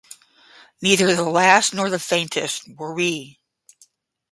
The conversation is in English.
Neither the last nor the faintest, were we!